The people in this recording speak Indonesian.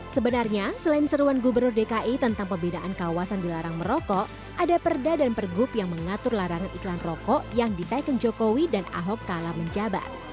sebenarnya selain seruan gubernur dki tentang pembidaan kawasan dilarang merokok ada perda dan pergub yang mengatur larangan iklan rokok yang diteken jokowi dan ahok kala menjabat